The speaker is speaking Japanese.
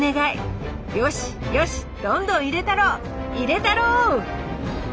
「よしよしどんどん入れたろう入れたろう！」